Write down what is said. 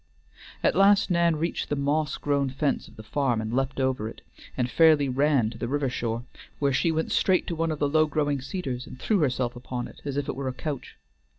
At last Nan reached the moss grown fence of the farm and leaped over it, and fairly ran to the river shore, where she went straight to one of the low growing cedars, and threw herself upon it as if it were a couch.